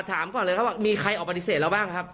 ถามก่อนเลยครับว่ามีใครออกปฏิเสธเราบ้างครับ